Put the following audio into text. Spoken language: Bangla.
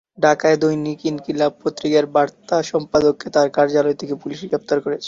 ঢাকায় দৈনিক ইনকিলাব পত্রিকার বার্তা সম্পাদককে তাঁর কার্যালয় থেকে পুলিশ গ্রেপ্তার করেছে।